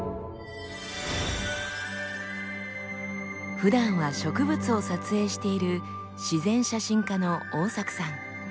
ふだんは植物を撮影している自然写真家の大作さん。